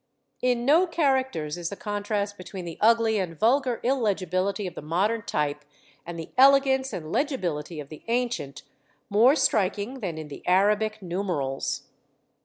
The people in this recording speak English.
In no characters is the contrast between the ugly and vulgar illegibility of the modern type and the elegance and legibility of the ancient more striking than in the Arabic numerals.